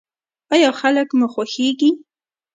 ایا خلک مو خوښیږي؟